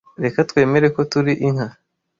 Reka twemere ko turi inka.